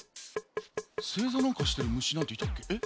せいざなんかしてる虫なんていたっけ？